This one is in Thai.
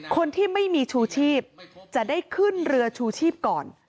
คนที่ไม่มีชูชีพจะได้ขึ้นเรือชูชีพก่อน